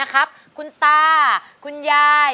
คุณตาคุณยาย